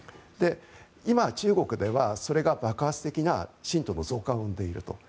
今、中国ではそれが爆発的な信徒の増加を生んでいると。